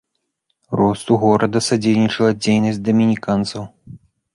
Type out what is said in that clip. Росту горада садзейнічала дзейнасць дамініканцаў.